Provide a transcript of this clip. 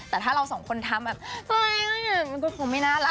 แต่ถ้าเราสองคนทำแบบสักเท่าไหร่นะคะ